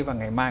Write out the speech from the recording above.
và ngày mai